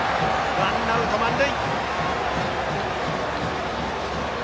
ワンアウト満塁。